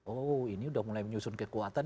oh ini udah mulai menyusun kekuatan